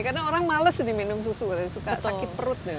karena orang males nih minum susu suka sakit perut